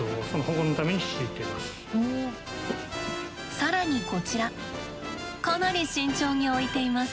更にこちらかなり慎重に置いています。